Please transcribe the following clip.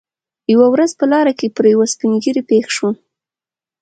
یوه ورځ په لاره کې پر یوه سپین ږیري سړي پېښ شوم.